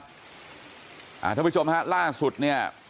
ท่านผู้ชมฮะล่าสุดเนี่ย